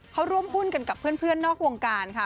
เขาร่วมหุ้นกันกับเพื่อนนอกวงการค่ะ